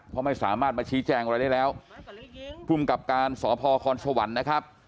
เพราะไม่สามารถมาชี้แจงอะไรได้แล้วภูมิกับการสพคสวรรค์นะครับ